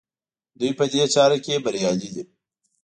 دوی په دې چاره کې بریالي دي.